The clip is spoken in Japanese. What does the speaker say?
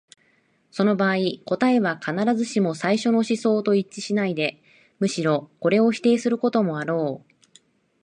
その場合、答えは必ずしも最初の思想と一致しないで、むしろこれを否定することもあろう。